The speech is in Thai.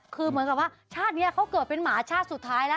คือเหมือนกับว่าชาตินี้เขาเกิดเป็นหมาชาติสุดท้ายแล้ว